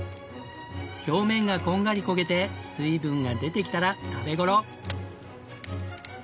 表面がこんがり焦げて水分が出てきたら食べ頃。